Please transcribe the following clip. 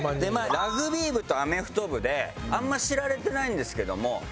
ラグビー部とアメフト部であんま知られてないんですけども結構。